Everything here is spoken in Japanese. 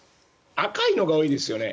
赤いのが多いですよね。